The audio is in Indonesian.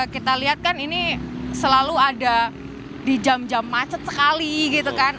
kita lihat kan ini selalu ada di jam jam macet sekali gitu kan